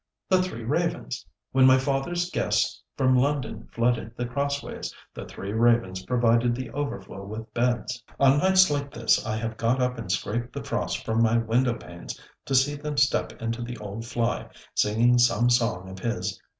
'The Three Ravens! When my father's guests from London flooded The Crossways, The Three Ravens provided the overflow with beds. On nights like this I have got up and scraped the frost from my window panes to see them step into the old fly, singing some song of his.